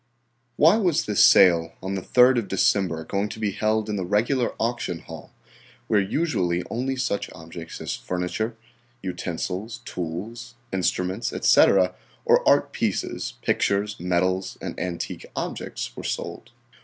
Why was this sale on the 3d of December going to be held in the regular auction hall, where usually only such objects as furniture, utensils, tools, instruments, etc., or art pieces, pictures, medals, and antique objects were sold?